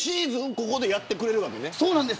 ここでやってくれるわけね。